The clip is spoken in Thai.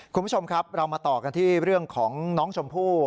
คุณผู้ชมครับเรามาต่อกันที่เรื่องของน้องชมพู่